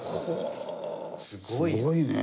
すごいね。